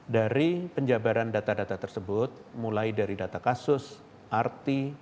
dari penjabaran data data tersebut mulai dari data kasus arti